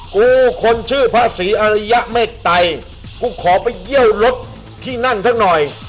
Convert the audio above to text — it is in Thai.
กูคนชื่อพระศรีอริยเมตไตกูขอไปเยี่ยวรถที่นั่นสักหน่อย